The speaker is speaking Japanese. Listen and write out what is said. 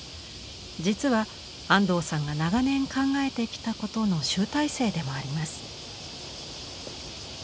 実は安藤さんが長年考えてきたことの集大成でもあります。